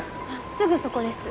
すぐそこです